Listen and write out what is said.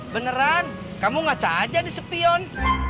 beneran kamu ngaca aja di sepion